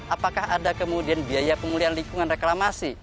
apakah ada kemudian biaya pemulihan lingkungan reklamasi